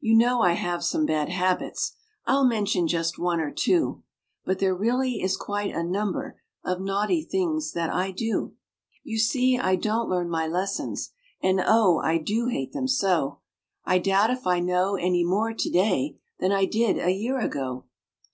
You know I have some bad habits, I'll mention just one or two; But there really is quite a number Of naughty things that I do. You see, I don't learn my lessons, And oh! I do hate them so; I doubt if I know any more to day Than I did a year ago.